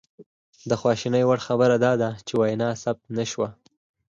د خواشینۍ وړ خبره دا ده چې وینا ثبت نه شوه